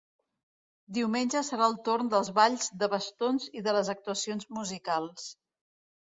Diumenge serà el torn dels balls de bastons i de les actuacions musicals.